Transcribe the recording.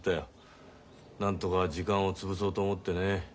なんとか時間を潰そうと思ってね。